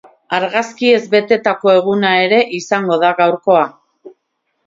Argazkiez betetako eguna ere izango da gaurkoa.